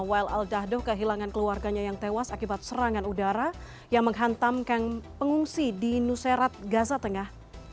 wael al dahdoh kehilangan keluarganya yang tewas akibat serangan udara yang menghantam pengungsi di nuserat gaza tengah